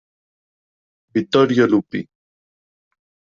Vittorio Lupi.